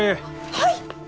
はい！